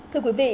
thưa quý vị